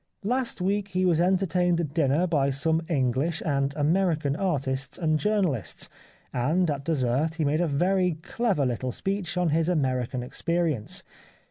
Last week he was entertained at dinner by some Enghsh and American artists and journalists, and at dessert he made a very clever little speech on his American experience.